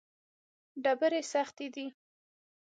ډبرې سختې دي.